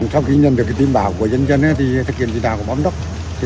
sau khi nhận được tin báo của nhân dân thì thực hiện di tản của bóng đất